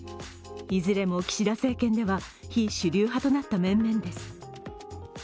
いずれも岸田政権では、非主流派となった面々です。